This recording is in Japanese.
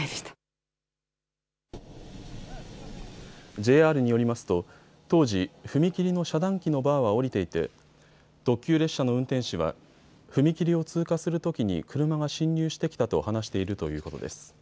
ＪＲによりますと当時、踏切の遮断機のバーは下りていて特急列車の運転士は踏切を通過するときに車が進入してきたと話しているということです。